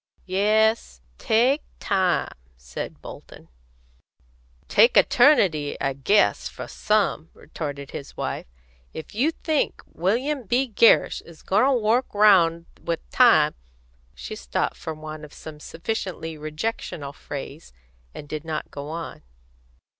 "Yes; take time," said Bolton. "Take eternity, I guess, for some," retorted his wife. "If you think William B. Gerrish is goin' to work round with time " She stopped for want of some sufficiently rejectional phrase, and did not go on.